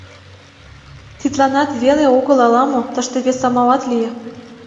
Тидланат веле огыл ала-мо: тыште вес амалат лие.